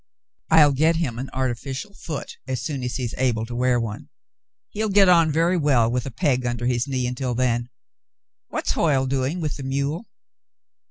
"I'll get him an artificial foot as soon as he is able to wear one. He'll get on very well with a peg under his knee until then. \\Tiat's Hoyle doing with the mule?''